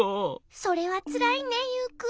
それはつらいねユウくん。